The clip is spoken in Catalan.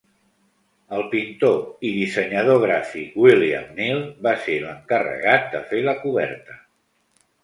El pintor i dissenyador gràfic William Neal va ser l'encarregat de fer la coberta.